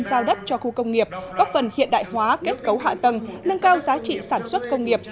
giao đất cho khu công nghiệp góp phần hiện đại hóa kết cấu hạ tầng nâng cao giá trị sản xuất công nghiệp